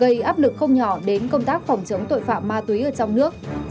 rất nhỏ đến công tác phòng chống tội phạm ma túy ở trong nước